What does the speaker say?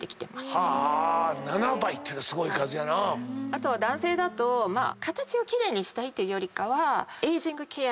あとは男性だと形を奇麗にしたいというよりかは。